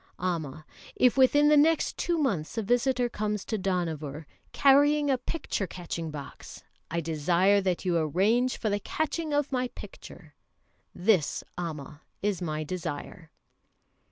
Amma, if within the next two months a visitor comes to Dohnavur carrying a picture catching box, I desire that you arrange for the catching of my picture. This, Amma, is my desire."